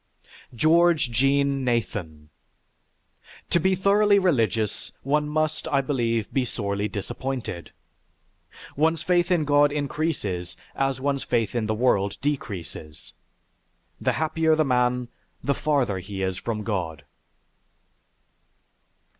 GEORGE JEAN NATHAN To be thoroughly religious, one must, I believe, be sorely disappointed. One's faith in God increases as one's faith in the world decreases. The happier the man, the farther he is from God.